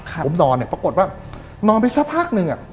ผมนอนเนี่ยปรากฏว่านอนไปสักพักหนึ่ง